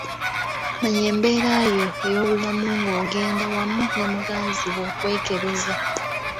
Manya embeera yo ey’obulamu ng’ogenda wamu ne muganzi wo okwekebeza.